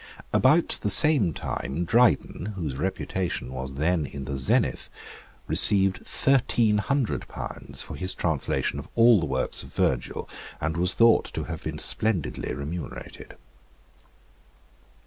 About the same time Dryden, whose reputation was then in the zenith, received thirteen hundred pounds for his translation of all the works of Virgil, and was thought to have been splendidly remunerated.